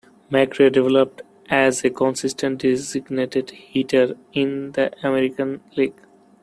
McRae developed as a consistent designated hitter in the American League.